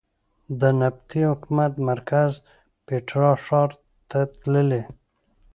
د نبطي حکومت مرکز پېټرا ښار ته تللې.